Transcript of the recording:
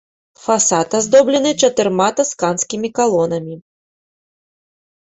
Фасад аздоблены чатырма тасканскімі калонамі.